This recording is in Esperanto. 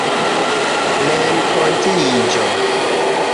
renkontiĝo